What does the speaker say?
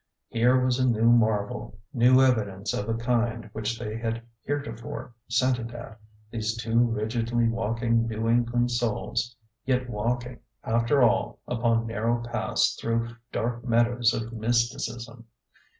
Here was a new marvel, new evidence of a kind which they had heretofore scented at, these two rigidly walking New England souls ; yet walking, after all, upon narrow paths through dark meadows of mys ticism.